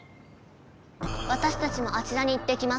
わたしたちもあちらに行ってきます。